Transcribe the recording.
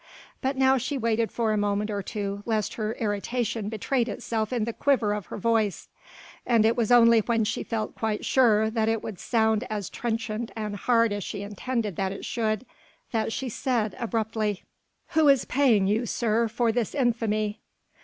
But now she waited for a moment or two lest her irritation betrayed itself in the quiver of her voice; and it was only when she felt quite sure that it would sound as trenchant and hard as she intended that it should, that she said abruptly: "Who is paying you, sir, for this infamy?"